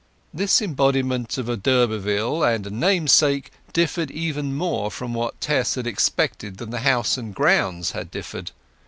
This embodiment of a d'Urberville and a namesake differed even more from what Tess had expected than the house and grounds had differed.